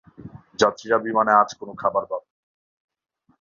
যাত্রীরা বিমানে আজ কোনো খাবার পাবে না।